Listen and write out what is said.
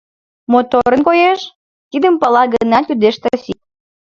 — Моторын коеш? — тидым пала гынат, йодеш Стасик.